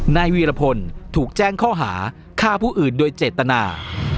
นายวีรพลถูกแจ้งข้อหาฆ่าผู้อื่นโดยเจตนา